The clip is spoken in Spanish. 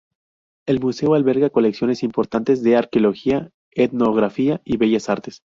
El museo alberga colecciones importantes de arqueología, etnografía y bellas artes.